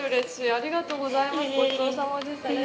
ありがとうございます。